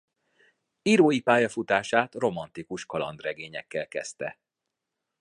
Írói pályafutását romantikus kalandregényekkel kezdte.